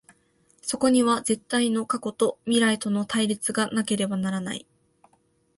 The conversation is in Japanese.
そこには絶対の過去と未来との対立がなければならない。